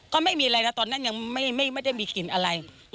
ก็ไม่มีอะไรนะตอนนั้นยังไม่ได้มีกลิ่นอะไร